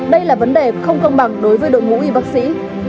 đây là vấn đề không công bằng đối với đội ngũ y bác sĩ